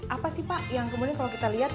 apa sih pak yang kemudian kalau kita lihat